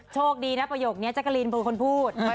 โชคดีนะประโยคนี้จักรีนพูดคนพูด